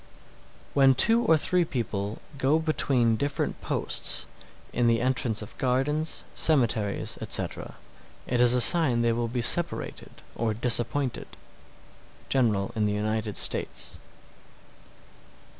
668. When two or three people go between different posts, in the entrance of gardens, cemeteries, etc., it is a sign they will be separated or disappointed. _General in the United States.